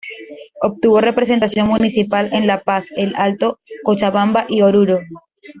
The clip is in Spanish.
Obtuvo representación municipal en La Paz, El Alto, Cochabamba y Oruro.